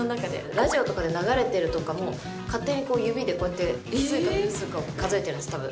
ラジオとかで流れてるとかも勝手に指でこうやって奇数か偶数かを数えてるんです多分。